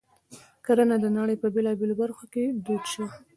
کرنه د نړۍ په بېلابېلو برخو کې دود شوه.